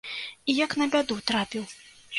І як на бяду, трапіў.